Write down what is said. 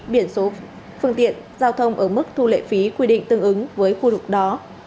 biển số phương tiện giao thông ở mức thu lệ phí quy định tương ứng với khu vực đó